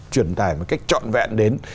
truyền tải một cách trọn vẹn đến